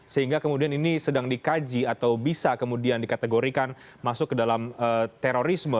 sehingga kemudian ini sedang dikaji atau bisa kemudian dikategorikan masuk ke dalam terorisme